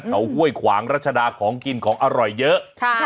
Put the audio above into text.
เขาห้วยขวางรัชดาของกินของอร่อยเยอะ